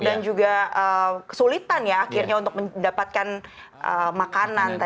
dan juga kesulitan ya akhirnya untuk mendapatkan makanan